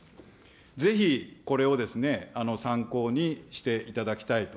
ぜひ、これを参考にしていただきたいと。